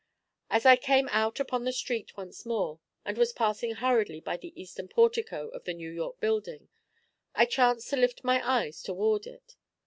As I came out upon the street once more, and was passing hurriedly by the eastern portico of the New York Building, I chanced to lift my eyes toward it.